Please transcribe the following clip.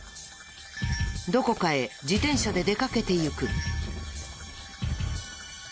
どこかへ自転車で出かけていく。